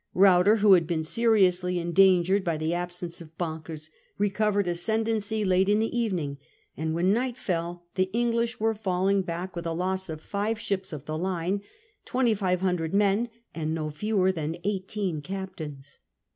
Ruyter, who had been seriously endan gered by the absence of Banckers, recovered ascendancy late in the evening ; and, when night fell, the English were falling back with a loss of five ships of the line, 2,500 men, andno fewer than eighteen captains.